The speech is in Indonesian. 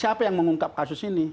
siapa yang mengungkap kasus ini